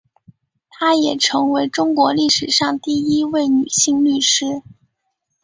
她也成为中国历史上第一位女性律师。